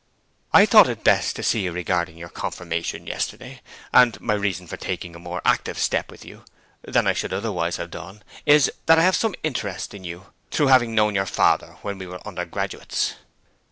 'I thought it best to see you regarding your confirmation yesterday; and my reason for taking a more active step with you than I should otherwise have done is that I have some interest in you through having known your father when we were undergraduates.